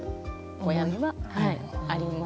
親のはあります。